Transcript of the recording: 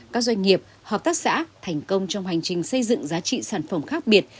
các doanh nghiệp hợp tác xã thành công trong hành trình xây dựng giá trị sản phẩm khác biệt